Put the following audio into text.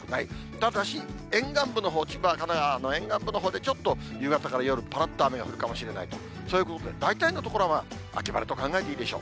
ただし、沿岸部のほう、千葉、神奈川の沿岸部のほうで、ちょっと夕方から夜、ぱらっと雨が降るかもしれないと、そういうことで、大体の所では秋晴れと考えていいでしょう。